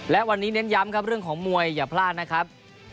และวันนี้เน้นย้ำครับเรื่องของมวยอย่าพลาดนะครับ